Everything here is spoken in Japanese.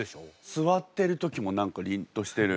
座ってる時も何かりんとしてる。